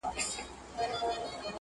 ایا د سر او مال امنیت یې خوندي دی